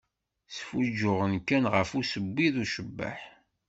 Sfuǧǧuɣent kan ɣef usewwi d ucebbeḥ.